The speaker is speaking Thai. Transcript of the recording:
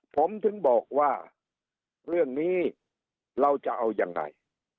ผมถึงบอกว่าเรื่องนี้เราจะเอายังไง